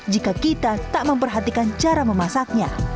jika kita tidak memperhatikan kandungan lemak